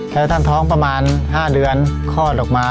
แล้วท่านท้องประมาณ๕เดือนคลอดออกมา